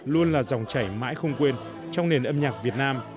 luôn là dòng chảy mãi không quên trong nền âm nhạc việt nam